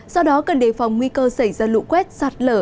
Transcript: do đó cần đề phòng nguy cơ xảy ra lũ quét sạt lở